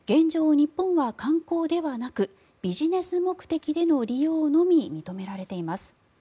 日本は、観光ではなくビジネス目的での利用のみ認められています。